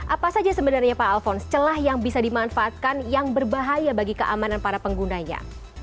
apa saja sebenarnya pak alphonse celah yang bisa dimanfaatkan yang berbahaya bagi keamanan para penggunanya